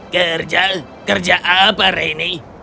kerja kerja apa reni